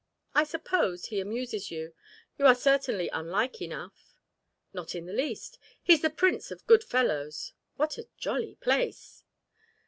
"I suppose he amuses you you are certainly unlike enough." "Not in the least he's the prince of good fellows. What a jolly place!"